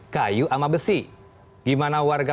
kayu sama besi gimana warga